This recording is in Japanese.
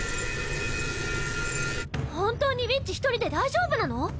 本当にウィッチ１人で大丈夫なの？